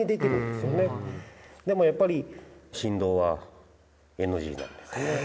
でもやっぱり振動はＮＧなんですね。